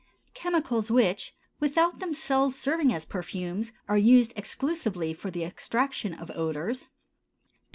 Chemicals which, without themselves serving as perfumes, are used exclusively for the extraction of odors.